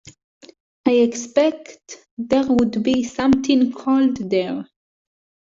I expect there would be something cold there.